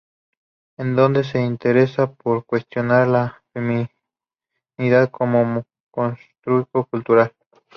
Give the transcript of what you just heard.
En donde se interesa por cuestionar a la feminidad como constructo cultural.